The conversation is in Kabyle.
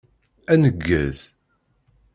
Ad nneggez.